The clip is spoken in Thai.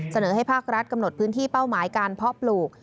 เสนอให้ภาครัฐกำหนดพื้นที่เป้าหมายการเพาะปลูก